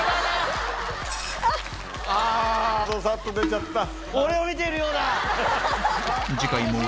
あどさっと出ちゃった。